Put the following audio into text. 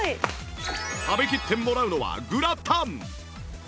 食べきってもらうのはグラタン！